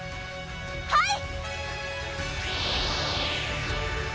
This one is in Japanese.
はい！